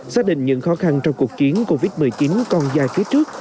xác định những khó khăn trong cuộc chiến covid một mươi chín còn dài phía trước